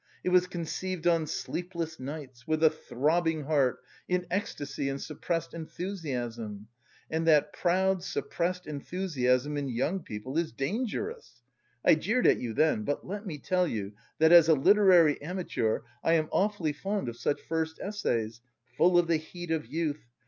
It was conceived on sleepless nights, with a throbbing heart, in ecstasy and suppressed enthusiasm. And that proud suppressed enthusiasm in young people is dangerous! I jeered at you then, but let me tell you that, as a literary amateur, I am awfully fond of such first essays, full of the heat of youth.